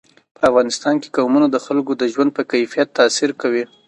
په افغانستان کې قومونه د خلکو د ژوند په کیفیت تاثیر کوي.